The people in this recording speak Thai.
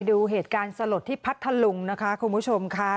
ดูเหตุการณ์สลดที่พัทธลุงนะคะคุณผู้ชมค่ะ